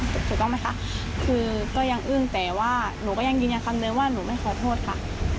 ถูกต้องไหมคะคือก็ยังอึ้งแต่ว่าหนูก็ยังยืนยันคำเดิมว่าหนูไม่ขอโทษค่ะ